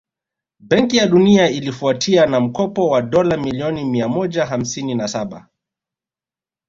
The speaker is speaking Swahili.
Benki ya Dunia ilifuatia na mkopo wa dola milioni miamoja hamsini na Saba